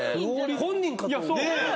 本人かとね。